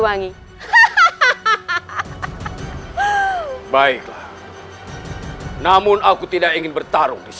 kalau akan kau kala siluangi enggak sampai kau rindu wei decorations kee kita emerged from balance